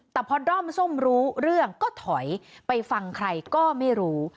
แต่พอด้อมส้มรู้เรื่องก็ถอยไปฟังใครก็ไม่รู้